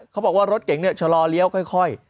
เขาบอกว่ารถเก๋งเนี่ยชะลอเลี้ยวค่อย